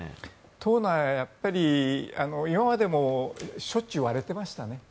党内は今までもしょっちゅう割れていましたね。